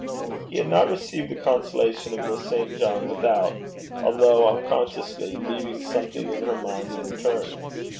He had not received the consolation of Miss St. John without, although unconsciously, leaving something in her mind in return.